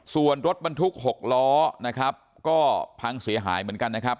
ส่วนรถบรรทุก๖ล้อนะครับก็พังเสียหายเหมือนกันนะครับ